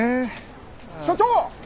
所長！